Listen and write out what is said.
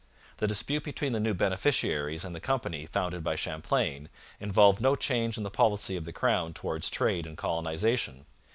The dispute between the new beneficiaries and the company founded by Champlain involved no change in the policy of the crown towards trade and colonization.